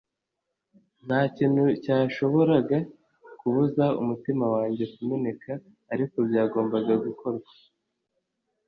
ntakintu cyashoboraga kubuza umutima wanjye kumeneka, ariko byagombaga gukorwa